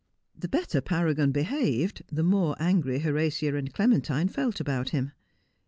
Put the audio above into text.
The better Paragon behaved the more angrv ITorat'a and Clementine felt about him.